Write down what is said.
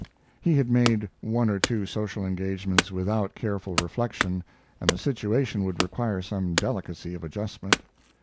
He had made one or two social engagements without careful reflection, and the situation would require some delicacy of adjustment.